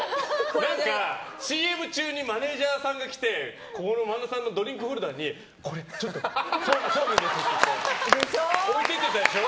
何かＣＭ中にマネジャーさんが来て萬田さんのドリンクホルダーにこれ、ちょっとそうめんですって置いていったでしょ。